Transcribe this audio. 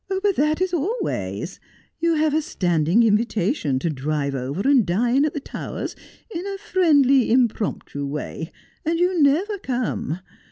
' But that is always. You have a standing invitation to drive over and dine at the Towers in a friendly, impromptu way, and you never come.